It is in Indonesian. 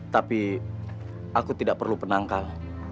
tapi aku tidak perlu penangkal